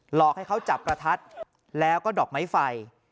หลอกให้เขาจับประทัดแล้วก็ดอกไม้ไฟ